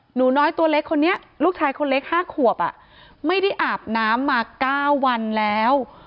หนูน้อยตัวเล็กคนนี้ลูกชายคนเล็ก๕ขวบไม่ได้อาบน้ำมา๙วันแล้ว